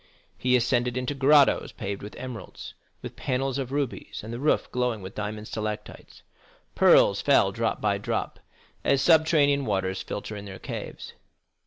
He ascended into grottos paved with emeralds, with panels of rubies, and the roof glowing with diamond stalactites. Pearls fell drop by drop, as subterranean waters filter in their caves.